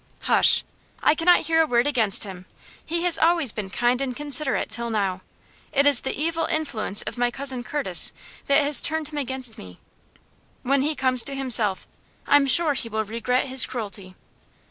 "Hush! I cannot hear a word against him. He has always been kind and considerate till now. It is the evil influence of my Cousin Curtis that has turned him against me. When he comes to himself I am sure he will regret his cruelty."